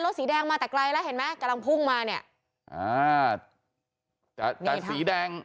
สีแดงมาแต่ไกลแล้วเห็นไหมกำลังพุ่งมาเนี่ยอ่าจากใจสีแดง